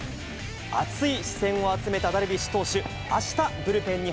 熱い視線を集めたダルビッシュ投手。